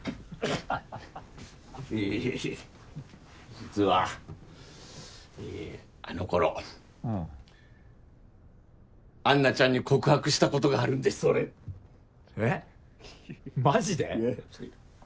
実はあの頃安奈ちゃんに告白した事があるんです俺。えマジで？